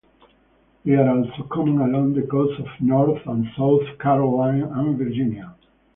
They are also common along the coasts of North and South Carolina and Virginia.